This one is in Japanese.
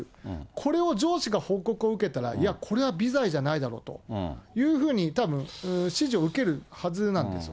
これを上司が報告を受けたら、いや、これは微罪じゃないだろうというふうに、たぶん、指示を受けるはずなんですよ。